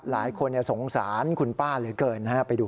หลายคนสงสารคุณป้าเหลือเกินไปดู